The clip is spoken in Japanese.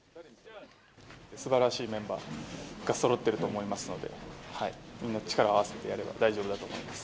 すばらしいメンバーがそろっていると思いますので、みんな力を合わせてやれば大丈夫だと思います。